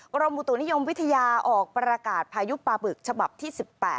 กรมอุตุนิยมวิทยาออกประกาศพายุปลาบึกฉบับที่๑๘